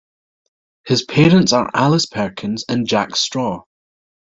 His parents are Alice Perkins and Jack Straw.